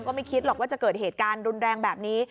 ไม่คิดหรอกว่าจะเกิดเหตุการณ์รุนแรงแบบนี้